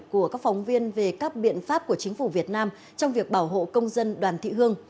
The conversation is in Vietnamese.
của các phóng viên về các biện pháp của chính phủ việt nam trong việc bảo hộ công dân đoàn thị hương